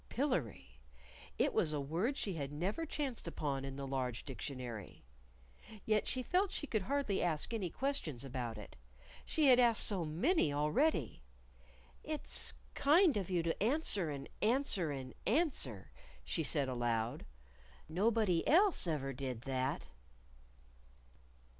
Pillery it was a word she had never chanced upon in the large Dictionary. Yet she felt she could hardly ask any questions about it. She had asked so many already. "It's kind of you to answer and answer and answer," she said aloud. "Nobody else ever did that."